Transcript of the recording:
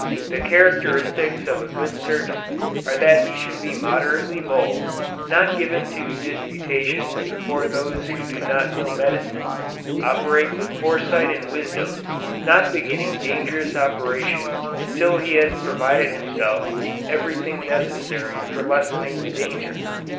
The characteristics of a good surgeon are that he should be moderately bold, not given to disputations before those who do not know medicine, operate with foresight and wisdom, not beginning dangerous operations until he has provided himself with everything necessary for lessening the danger.